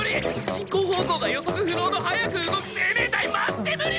進行方向が予測不能の速く動く生命体マジで無理！！